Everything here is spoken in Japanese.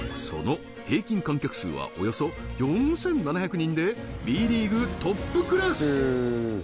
その平均観客数はおよそ４７００人でＢ．ＬＥＡＧＵＥトップクラス